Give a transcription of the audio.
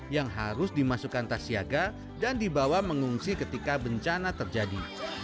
yang harus dimasukkan tas siaga dan dibawa mengungsi ketika bencana terjadi